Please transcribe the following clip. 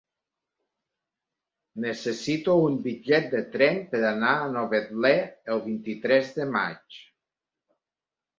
Necessito un bitllet de tren per anar a Novetlè el vint-i-tres de maig.